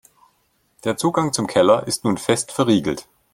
Der Zugang zum Keller ist nun fest verriegelt.